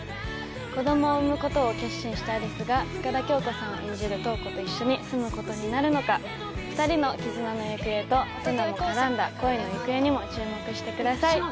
子供を産むことを決心した有栖が深田恭子さん演じる瞳子と一緒に住むことになるのか２人の絆の行方と世奈も絡んだ恋の行方にも注目してください